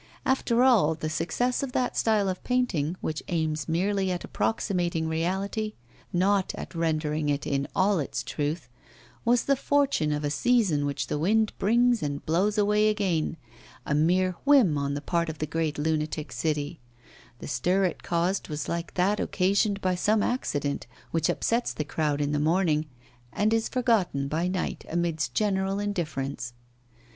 After all, the success of that style of painting which aims merely at approximating reality, not at rendering it in all its truth, was the fortune of a season which the wind brings and blows away again, a mere whim on the part of the great lunatic city; the stir it caused was like that occasioned by some accident, which upsets the crowd in the morning and is forgotten by night amidst general indifference.